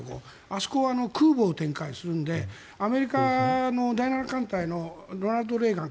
あそこは空母を展開するのでアメリカの第７艦隊の「ロナルド・レーガン」